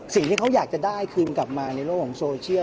สิ่งที่เขาอยากจะได้คืนกลับมาในโลกของโซเชียล